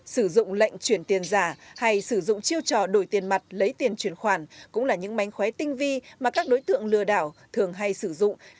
sử dụng lệnh chuyển tiền giả hay sử dụng chiêu trò đổi tiền mặt lấy tiền chuyển khoản cũng là những mánh khóe tinh vi mà các đối tượng lừa đảo thường hay sử dụng